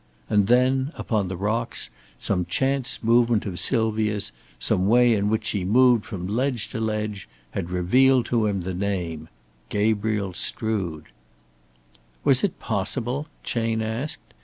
And then upon the rocks, some chance movement of Sylvia's, some way in which she moved from ledge to ledge, had revealed to him the name Gabriel Strood. Was it possible, Chayne asked?